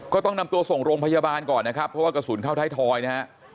ก็ต้องนำตัวส่งโรงพยาบาลก่อนนะครับเพราะว่ากระสุนเข้าท้ายทอยนะฮะ